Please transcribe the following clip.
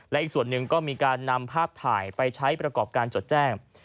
และอีกส่วนหนึ่งก็มีการนำภาพถ่ายไปใช้ประกอบการจดแจ้ง